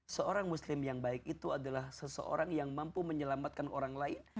seorang muslim yang baik itu adalah seseorang yang mampu menyelamatkan orang lain